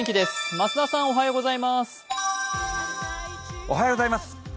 増田さんおはようございます。